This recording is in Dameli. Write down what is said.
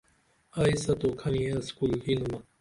ائی ستو کھنیہ اِسکول یینُم